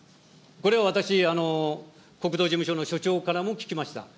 これは私、国道事務所の方から聞きました。